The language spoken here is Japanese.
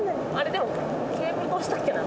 でもケーブルどうしたっけな。